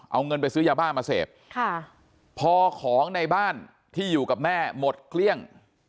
เอาเงินไปซื้อยาบ้ามาเสพค่ะพอของในบ้านที่อยู่กับแม่หมดเกลี้ยง